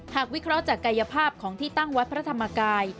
วิเคราะห์จากกายภาพของที่ตั้งวัดพระธรรมกาย